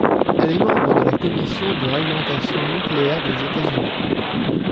Elle est membre de la Commission de réglementation nucléaire des États-Unis.